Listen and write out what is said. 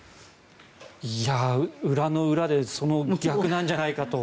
いや、裏の裏でその逆なんじゃないかと。